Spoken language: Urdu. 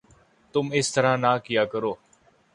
تم اس طرح نہ کیا کرو